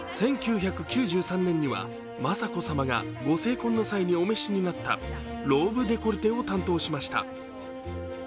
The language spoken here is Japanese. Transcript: １９９３年には雅子さまがご成婚の際にお召しになったローブデコルテを担当しました。